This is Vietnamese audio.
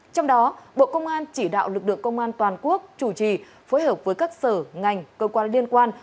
trong đó bộ công an chỉ đạo lực lượng công an toàn quốc chủ trì phối hợp với các sở ngành cơ quan liên quan